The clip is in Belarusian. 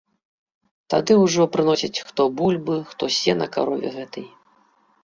Тады ўжо прыносяць хто бульбы, хто сена карове гэтай.